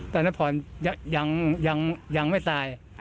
ตอนนั้นผ่อนยังไม่ตาย